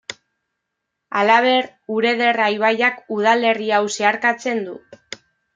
Halaber, Urederra ibaiak udalerri hau zeharkatzen du.